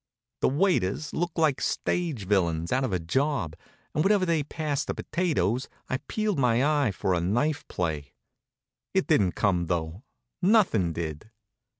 The waiters looked like stage villains out of a job, and whenever they passed the potatoes I peeled my eye for a knife play. It didn't come though. Nothing did.